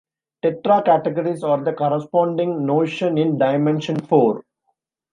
Tetracategories are the corresponding notion in dimension four.